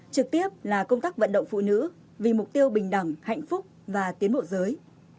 trực tiếp là công tác vận động phụ nữ vì mục tiêu bình đẳng hạnh phúc và tiến bộ giới